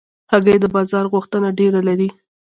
هګۍ د بازار غوښتنه ډېره لري.